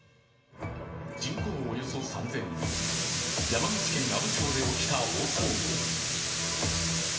人口およそ３０００人、山口県阿武町で起きた大騒動。